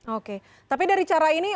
oke tapi dari cara ini